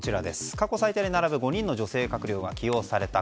過去最多に並ぶ５人の女性閣僚が起用されました。